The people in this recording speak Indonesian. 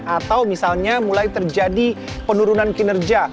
atau misalnya mulai terjadi penurunan kinerja